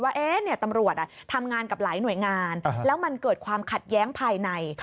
ว่าตำรวจทำงานกับหลายหน่วยงานแล้วมันเกิดความขัดแย้งภายใน